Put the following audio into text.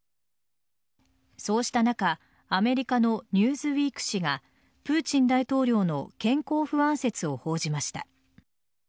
そうした中、アメリカの「ニューズウィーク」誌がプーチン大統領の健康不安説を報じました。